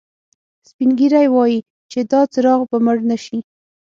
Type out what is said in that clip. سپین ږیری وایي چې دا څراغ به مړ نه شي